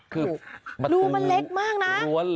คือรูมันเล็กมากนะ